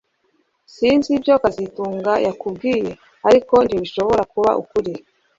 S Sinzi ibyo kazitunga yakubwiye ariko ntibishobora kuba ukuri